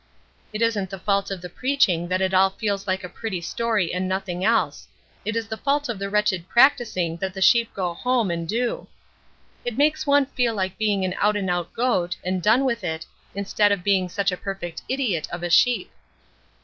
It isn't the fault of the preaching that it all feels like a pretty story and nothing else; it is the fault of the wretched practicing that the sheep go home and do. It makes one feel like being an out and out goat, and done with it, instead of being such a perfect idiot of a sheep."